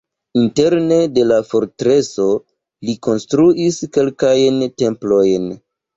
Interne de la fortreso li konstruis kelkajn templojn.